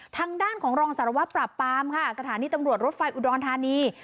ทางด้านของรองสารวัตรปราบปามค่ะสถานีตำรวจรถไฟอุดรธานี